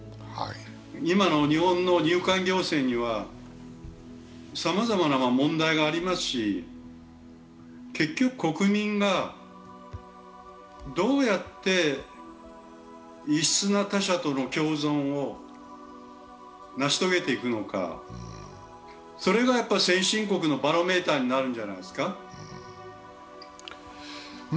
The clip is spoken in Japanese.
今の日本の入管行政にはさまざまな問題がありますし結局国民がどうやって異質な他者との共存を成し遂げていくのかそれが先進国のバロメーターになるんじゃないですか。